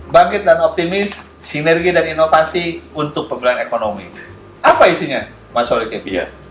bangkit dan optimis sinergi dan inovasi untuk pemulihan ekonomi apa isinya mas holiki